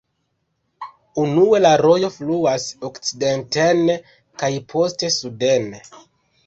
Unue la rojo fluas okcidenten kaj poste suden.